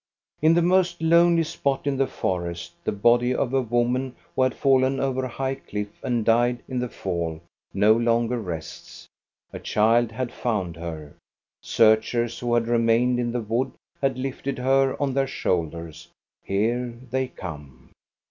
In the most lonely spot in the forest the body of a woman, who had fallen over a high cliff and died in the fall, no longer rests. A child had found her. Searchers who had remained in the wood had lifted her on their shoulders. Here they come.